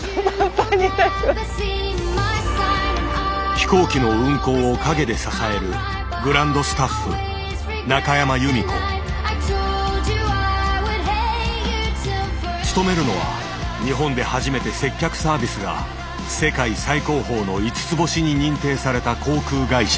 飛行機の運航を陰で支える勤めるのは日本で初めて接客サービスが世界最高峰の５つ星に認定された航空会社。